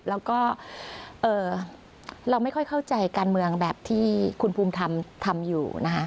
แล้วก็เราไม่ค่อยเข้าใจการเมืองแบบที่คุณภูมิทำอยู่นะคะ